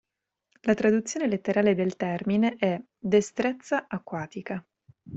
La traduzione letterale del termine è: "destrezza acquatica".